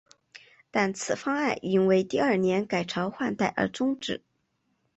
但此方案因为第二年改朝换代而中止。